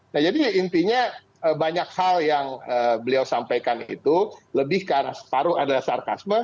nah jadi intinya banyak hal yang beliau sampaikan itu lebih ke arah separuh adalah sarkasme